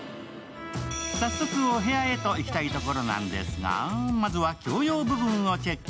早速、お部屋と行きたいところなんですが、まずは共用部分をチェック